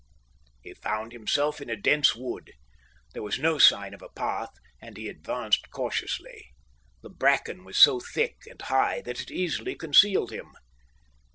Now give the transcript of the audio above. He found himself in a dense wood. There was no sign of a path, and he advanced cautiously. The bracken was so thick and high that it easily concealed him.